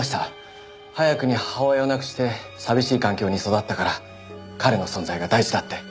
早くに母親を亡くして寂しい環境に育ったから彼の存在が大事だって。